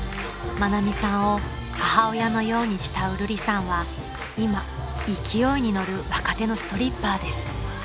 ［愛美さんを母親のように慕うるりさんは今勢いに乗る若手のストリッパーです］